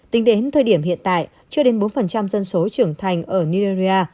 tính đến thời điểm hiện tại chưa đến bốn dân số trưởng thành ở nigeria